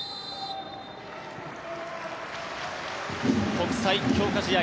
国際強化試合